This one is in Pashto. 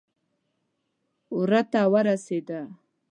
وره ته ورسېده.